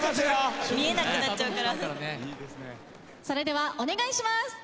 それではお願いします。